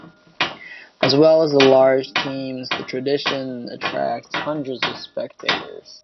As well as the large teams, the tradition attracts hundreds of spectators.